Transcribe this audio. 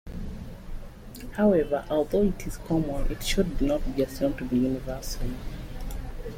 However, although it is common, it should not be assumed to be universal.